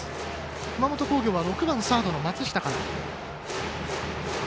熊本工業は６番サードの松下から。